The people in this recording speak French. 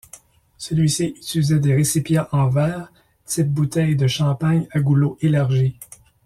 Celui-ci utilisait des récipients en verre, type bouteille de champagne à goulot élargi.